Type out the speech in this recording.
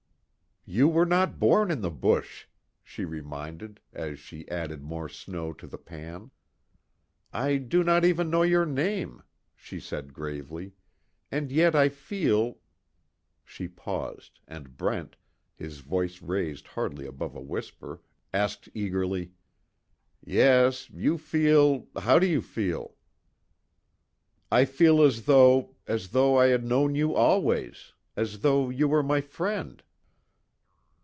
"You were not born in the bush," she reminded, as she added more snow to the pan. "I do not even know your name," she said, gravely, "And yet I feel " she paused, and Brent, his voice raised hardly above a whisper, asked eagerly: "Yes, you feel how do you feel?" "I feel as though as though I had known you always as though you were my friend."